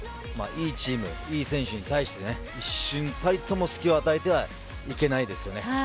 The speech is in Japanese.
いいチーム、いい選手に対して一瞬たりとも、すきを与えてはいけないですよね。